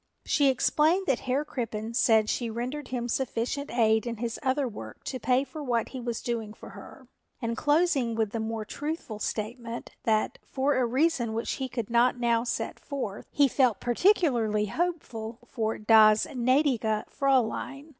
She explained that Herr Crippen said she rendered him sufficient aid in his other work to pay for what he was doing for her, and closing with the more truthful statement that, for a reason which he could not now set forth, he felt particularly hopeful for das gnädige Fräulein.